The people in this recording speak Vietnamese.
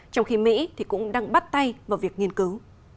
trong khi mỹ cũng đang bắt tay vào việc nghiên cứu